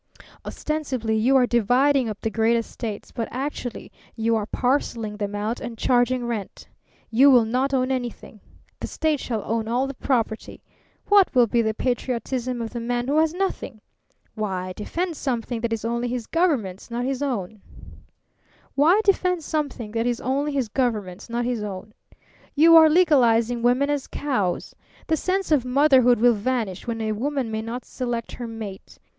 Ostensibly you are dividing up the great estates, but actually you are parcelling them out and charging rent. You will not own anything. The state shall own all the property. What will be the patriotism of the man who has nothing? Why defend something that is only his government's, not his own? You are legalizing women as cows. The sense of motherhood will vanish when a woman may not select her mate.